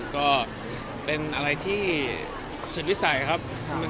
ก็เป็นอะไรที่สุดวิสัยครับ